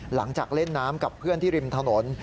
หลังจากเล่นน้ำกับเพื่อนที่ริมถนน